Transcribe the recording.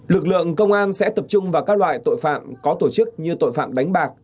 lực lượng công an sẽ tập trung vào các loại tội phạm có tổ chức như tội phạm đánh bạc